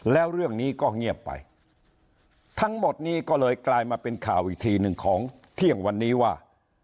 แล้วเรื่องนี้ก็เงียบไปทั้งหมดนี้ก็เลยกลายมาเป็นข่าวอีกทีหนึ่งของเที่ยงวันนี้ว่า